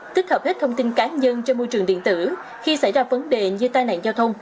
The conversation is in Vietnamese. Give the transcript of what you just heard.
tích hợp hết thông tin cá nhân trên môi trường điện tử khi xảy ra vấn đề như tai nạn giao thông